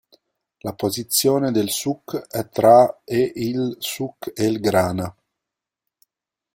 La posizione del suq è tra e il Souk El Grana.